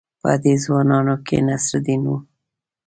په دې ځوانانو کې نصرالدین وو.